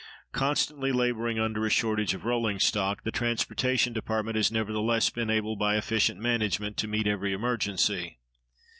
Constantly laboring under a shortage of rolling stock, the transportation department has nevertheless been able by efficient management to meet every emergency.